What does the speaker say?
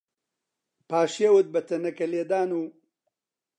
پاشیوت بە تەنەکەلێدان و